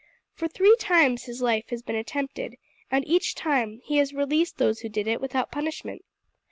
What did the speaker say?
For three times his life has been attempted, and each time he has released those who did it without punishment.